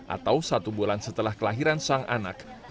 atau satu bulan setelah kelahiran sang anak